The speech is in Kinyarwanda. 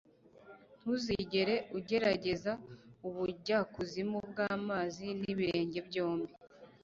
Ntuzigere ugerageza ubujyakuzimu bw'amazi n'ibirenge byombi.